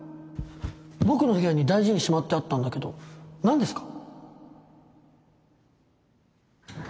僕の部屋に大事にしまってあったんだけど何ですか？